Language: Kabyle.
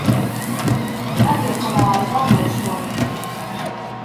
Ad iqḍeɛ lbabuṛ s uɣyul.